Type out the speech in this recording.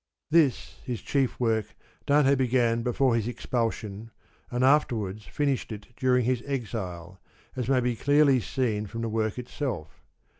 This his chief work Dante began before his ex pulsion, and afterwards finished it during his exile, as may be clearly seen from the work itself.